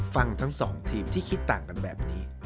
ฟังทั้งสองทีมที่คิดต่างกันแบบนี้